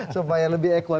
supaya lebih equal